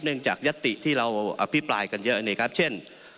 เนื่องจากยัตติที่เราอภิปรายกันเยอะอันนี้ครับเช่น